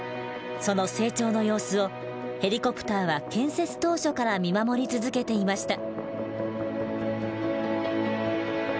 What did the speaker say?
その成長の様子をヘリコプターは建設当初から見守り続けていました。